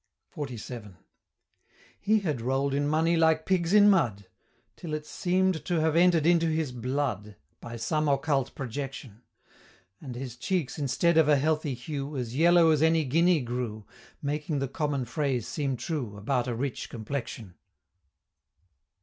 XLVII. He had roll'd in money like pigs in mud. Till it scem'd to have entered into his blood By some occult projection: And his cheeks instead of a healthy hue, As yellow as any guinea grew, Making the common phrase seem true, About a rich complexion.